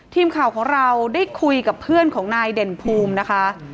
ทีมข่าวของเราได้คุยกับเพื่อนของนายเด่นภูมินะคะ